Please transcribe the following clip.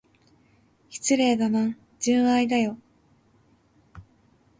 失礼だな、純愛だよ。